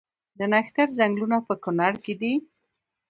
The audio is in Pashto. د نښتر ځنګلونه په کنړ کې دي؟